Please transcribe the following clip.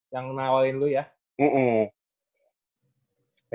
yang nawarin lu ya